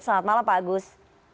selamat malam pak agus